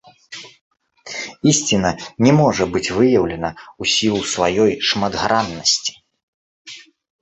Ісціна не можа быць выяўлена ў сілу сваёй шматграннасці.